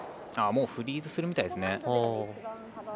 もうフリーズするみたいですね。